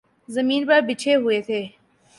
زمین پر بچھے ہوئے تھے۔